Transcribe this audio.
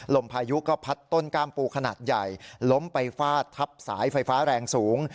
พายุก็พัดต้นกล้ามปูขนาดใหญ่ล้มไปฟาดทับสายไฟฟ้าแรงสูง